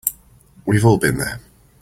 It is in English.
We've all been there.